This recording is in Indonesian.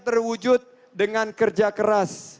terwujud dengan kerja keras